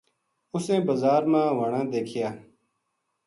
اُسیں بزار ما ہوانا دیکھیا